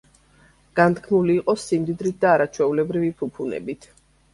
განთქმული იყო სიმდიდრით და არაჩვეულებრივი ფუფუნებით.